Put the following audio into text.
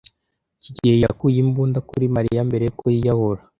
kigeli yakuye imbunda kuri Mariya mbere yuko yiyahura.